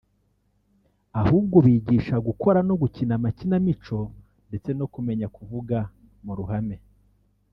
ahubwo bigisha gukora no gukina amakinamico ndetse no kumenya kuvuga mu ruhame